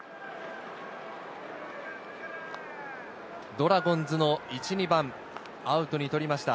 ドラゴンズの１・２番、アウトに取りました。